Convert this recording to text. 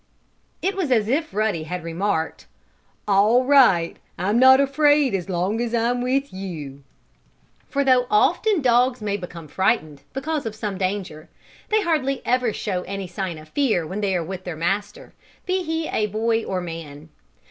It was as if Ruddy had remarked: "All right! I'm not afraid as long as I'm with you!" For though often dogs may become frightened, because of some danger, they hardly ever show any sign of fear when they are with their master be he a boy or man.